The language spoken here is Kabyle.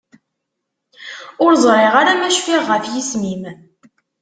Ur ẓriɣ ara ma cfiɣ ɣef yisem-im.